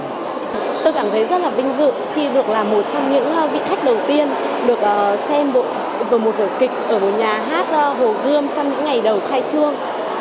tôi cảm thấy rất là vinh dự khi được là một trong những vị khách đầu tiên được xem một vở kịch ở một nhà hát hồ gươm trong những ngày đầu khai trương